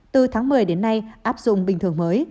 từ tháng một mươi đến nay áp dụng bình thường mới